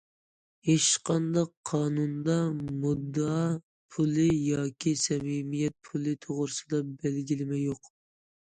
ھېچقانداق قانۇندا مۇددىئا پۇلى ياكى سەمىمىيەت پۇلى توغرىسىدا بەلگىلىمە يوق.